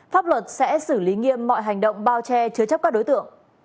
pháp luật sẽ xử lý nghiêm mọi hành động bao che chứa chấp các đối tượng